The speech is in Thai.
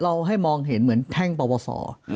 เราให้มองเห็นเหมือนแท่งประวัติศาสตร์